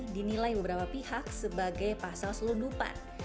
dinilai beberapa pihak sebagai pasal selundupan